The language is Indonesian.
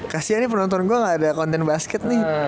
kasian nih penonton gue gak ada konten basket nih